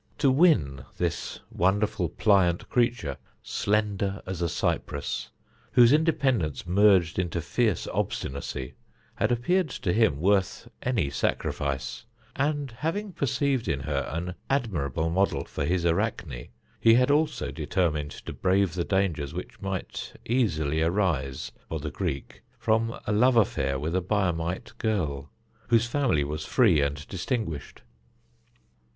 To win this wonderful, pliant creature, slender as a cypress, whose independence merged into fierce obstinacy, had appeared to him worth any sacrifice; and having perceived in her an admirable model for his Arachne, he had also determined to brave the dangers which might easily arise for the Greek from a love affair with a Biamite girl, whose family was free and distinguished.